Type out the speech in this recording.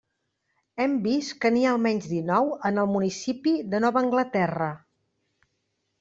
Hem vist que n'hi ha almenys dinou en el municipi de Nova Anglaterra.